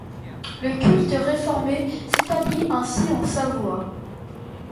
Le culte réformé s'établit ainsi en Savoie.